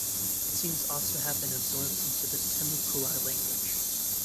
It seems also to have been absorbed into the Timucua language.